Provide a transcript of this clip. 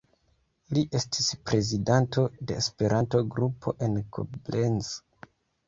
Li estis prezidanto de Esperanto-grupo en Koblenz.